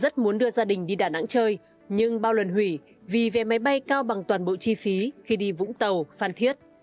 rất muốn đưa gia đình đi đà nẵng chơi nhưng bao lần hủy vì vé máy bay cao bằng toàn bộ chi phí khi đi vũng tàu phan thiết